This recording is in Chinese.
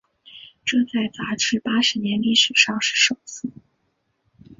这在杂志八十年历史上是首次。